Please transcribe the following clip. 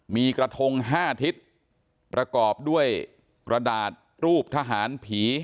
มีกระทง๕ทิศประกอบด้วยกระดาษรูปทหารผี